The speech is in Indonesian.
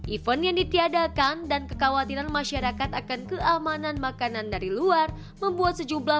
event yang ditiadakan dan kekhawatiran masyarakat akan keamanan makanan dari luar membuat sejumlah